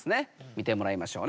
見てもらいましょう。